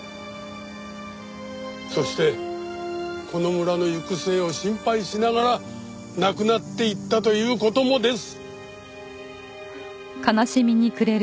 そしてこの村の行く末を心配しながら亡くなっていったという事もです。